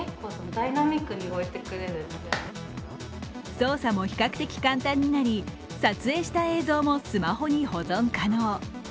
操作も比較的簡単になり撮影した映像もスマホに保存可能。